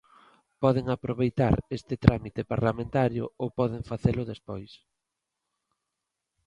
Poden aproveitar este trámite parlamentario ou poden facelo despois.